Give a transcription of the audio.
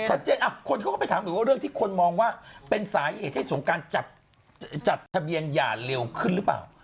คนเขาก็ไปถามอยู่ว่าเรื่องที่คนมองว่าเป็นสาเหตุให้สงการจัดทะเบียนหย่าเร็วขึ้นหรือเปล่า